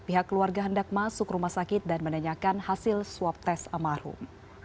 pihak keluarga hendak masuk rumah sakit dan menanyakan hasil swab tes almarhum